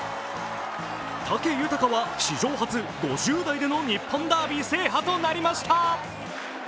武豊は史上初５０代の日本ダービー制覇となりました。